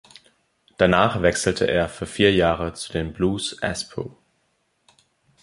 Danach wechselte er für vier Jahre zu den Blues Espoo.